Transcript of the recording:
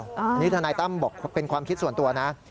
อันนี้ทนายตั้มบอกเป็นความคิดส่วนตัวนะ